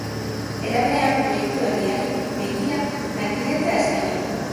Era berean, proiektu berriari begira lankidetza eskaini du.